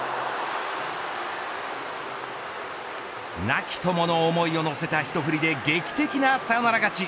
亡き友の思いを乗せた一振りで劇的なサヨナラ勝ち。